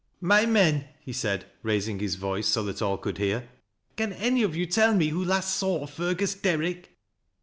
"My men," he said, raising his voice so that all could hear, "can any of you tell me who last saw Fergus Derrick?"